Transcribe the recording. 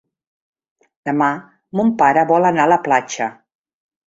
Demà mon pare vol anar a la platja.